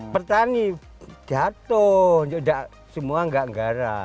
pertani jatuh semua gak nggara